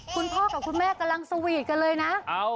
คุณพ่อกับคุณแม่กำลังสวีทกันเลยนะ